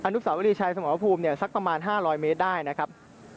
นุสาวรีชัยสมรภูมิเนี่ยสักประมาณ๕๐๐เมตรได้นะครับ